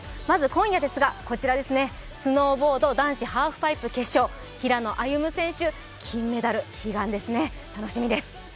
まず今夜ですがこちら、スノーボード男子ハーフパイプ決勝、平野歩夢選手、金メダル、悲願ですね、楽しみです。